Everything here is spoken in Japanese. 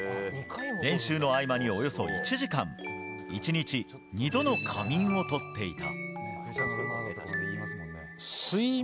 練習の合間におよそ１時間１日２度の仮眠をとっていた。